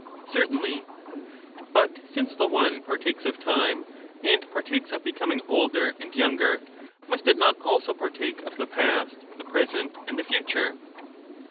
Certainly. But since the one partakes of time, and partakes of becoming older and younger, must it not also partake of the past, the present, and the future